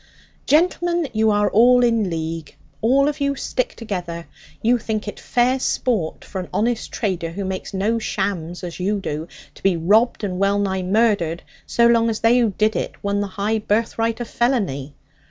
Gentlemen, you are all in league; all of you stick together. You think it fair sport for an honest trader, who makes no shams as you do, to be robbed and wellnigh murdered, so long as they who did it won the high birthright of felony.